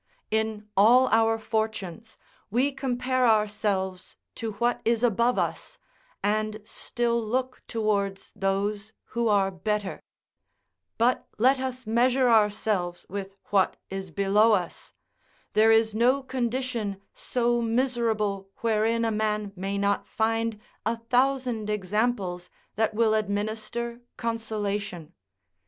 In all our fortunes, we compare ourselves to what is above us, and still look towards those who are better: but let us measure ourselves with what is below us: there is no condition so miserable wherein a man may not find a thousand examples that will administer consolation.